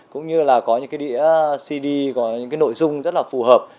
cũng như là có những cái đĩa cd có những cái nội dung rất là phù hợp